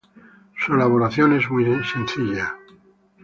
Su elaboración es muy sencilla.